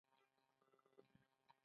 احمد قطعې ډېر ژر لاس لاس کړې.